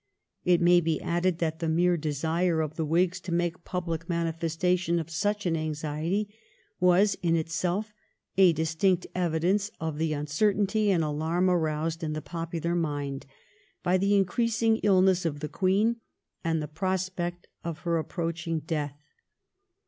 It may be added that the mere desire of the Whigs to make public manifestation of such an anxiety was in itself a distinct evidence of the uncertainty and alarm aroused in the popular mind by the increasing illness of the Queen and the prospect of her approaching death.